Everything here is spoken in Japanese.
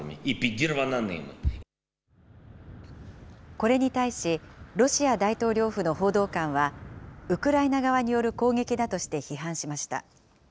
これに対し、ロシア大統領府の報道官は、ウクライナ側による攻撃だとして批判しました。